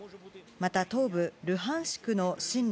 また東部ルハンシクの親